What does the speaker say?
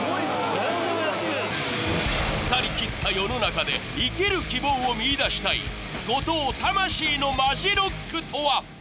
腐りきった世の中で生きる希望を見出したい後藤魂のマジロックとは？